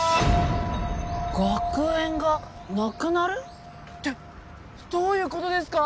学園がなくなる？ってどういう事ですか？